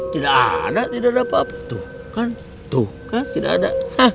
tidak ada tidak ada apa apa tuh kan tuh kan tidak ada